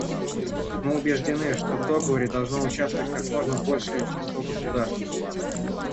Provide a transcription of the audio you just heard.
Мы убеждены, что в договоре должно участвовать как можно большее число государств.